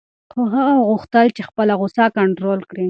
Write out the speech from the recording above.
خو هغه وغوښتل چې خپله غوسه کنټرول کړي.